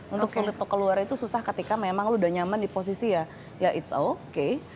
untuk sulit keluar itu susah ketika memang lo udah nyaman di posisi ya ya ⁇ its ⁇ okay